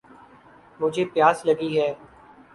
مجھے پیاس لگی ہے